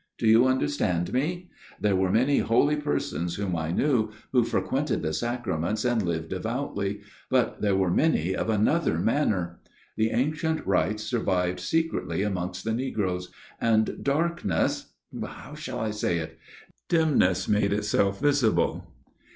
Do you understand me ? There were many holy persons whom I knew, who frequented the Sacraments and lived devoutly, but there were many of another manner. The ancient} rites survived secretly amongst the negroes, and; darkness how shall I say it ? dimness made J itself visible.